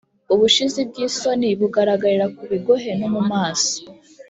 Ubushizi bw’isoni bugaragarira ku bigohe no mu maso,